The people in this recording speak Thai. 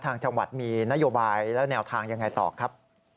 จังหวัดมีนโยบายและแนวทางยังไงต่อครับ